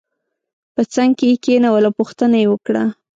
په څنګ کې یې کېنول او پوښتنه یې وکړه.